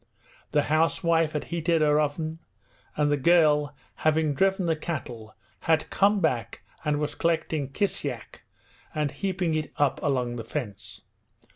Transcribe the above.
The housewife had heated her oven, and the girl, having driven the cattle, had come back and was collecting kisyak and heaping it up along the fence.